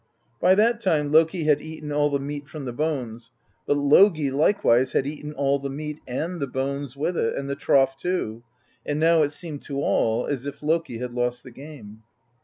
By that time Loki had eaten all the meat from the bones, but Logi likewise had eaten all the meat, and the bones with it, and the trough too; and now it seemed to all as if Loki had lost the game.